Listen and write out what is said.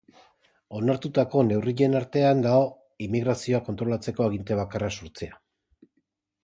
Onartutako neurrien artean dago immigrazioa kontrolatzeko aginte bakarra sortzea.